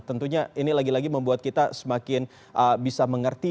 tentunya ini lagi lagi membuat kita semakin bisa mengerti